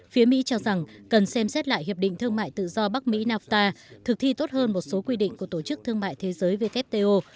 phía mỹ cho rằng cần xem xét lại hiệp định thương mại tự do bắc mỹ nafta thực thi tốt hơn một số quy định của tổ chức thương mại thế giới wto